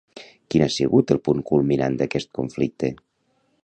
Quin ha sigut el punt culminant d'aquest conflicte?